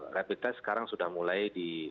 rapid test sekarang sudah mulai di